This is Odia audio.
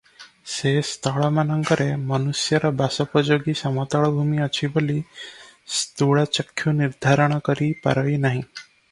ସେ ସ୍ଥଳମାନଙ୍କରେ ମନୁଷ୍ୟର ବାସୋପଯୋଗୀ ସମତଳଭୂମି ଅଛି ବୋଲି ସ୍ଥୂଳଚକ୍ଷୁ ନିର୍ଦ୍ଧାରଣ କରି ପାରଇ ନାହିଁ ।